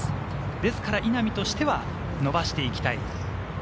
ですから稲見としては伸ばしていきたい。